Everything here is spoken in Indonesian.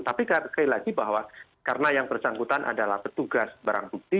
tapi sekali lagi bahwa karena yang bersangkutan adalah petugas barang bukti